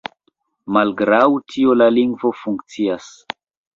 Malgraŭ tio, la lingvo funkcias.